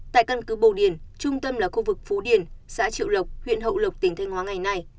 tại căn cứ bồ điền trung tâm là khu vực phú điền xã triệu lộc huyện hậu lộc tỉnh thanh hóa ngày nay